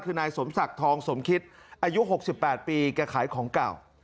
คือนายสมศักดิ์ทองสมคิตอายุ๖๘ปีแกขายของเก่า